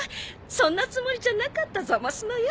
そんなつもりじゃなかったざますのよ。